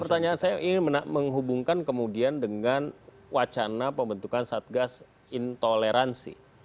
pertanyaan saya ingin menghubungkan kemudian dengan wacana pembentukan satgas intoleransi